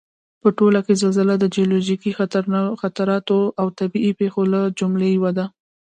په ټوله کې زلزله د جیولوجیکي خطراتو او طبعي پېښو له جملې یوه ده